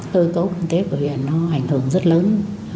cơ cấu kinh tế của huyện nó ảnh hưởng rất lớn